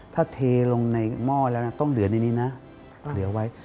ถ้าเทลงในหม้อแล้วนะต้องเหลือในนี้นะเหลือไว้